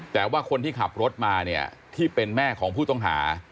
แต่ว่าคนที่ขับรถมาเนี่ยที่เป็นแม่ของผู้ต้องหา